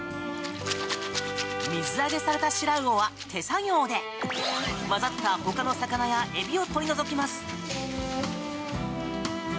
水揚げされたシラウオは手作業で交ざったほかの魚やエビを取り除きます。